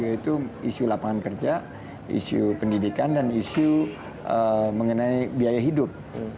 yaitu isu lapangan kerja isu pendidikan dan isu mengenai biaya hidup